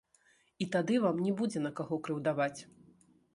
І тады вам не будзе на каго крыўдаваць.